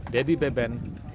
dedy beben bekasi